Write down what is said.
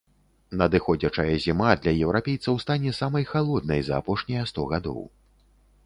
Надыходзячая зіма для еўрапейцаў стане самай халоднай за апошнія сто гадоў.